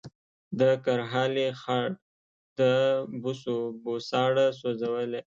د کرهالې خړ د بوسو بوساړه سوځولې